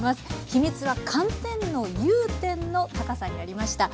秘密は寒天の融点の高さにありました。